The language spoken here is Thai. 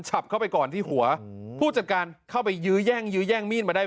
ฉับเข้าไปก่อนที่หัวผู้จัดการเข้าไปยื้อแย่งยื้อแย่งมีดมาได้